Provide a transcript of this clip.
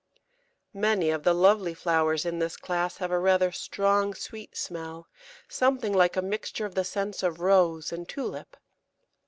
Many of the lovely flowers in this class have a rather strong, sweet smell, something like a mixture of the scents of Rose and Tulip.